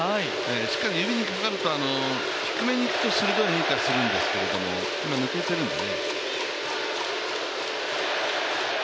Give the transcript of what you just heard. しっかり指にかかると低めにいくと鋭く変化するんですけど抜けているので。